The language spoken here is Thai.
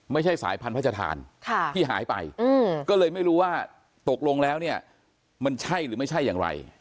สายพันพระชธานที่หายไปก็เลยไม่รู้ว่าตกลงแล้วเนี่ยมันใช่หรือไม่ใช่อย่างไร